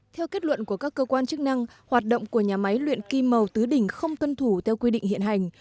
theo kết luận của các cơ quan chức năng hoạt động của nhà máy luyện kim màu tứ đỉnh không tuân thủ theo quy định hiện hành